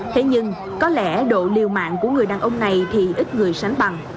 thế nhưng có lẽ độ liều mạng của người đàn ông này thì ít người sánh bằng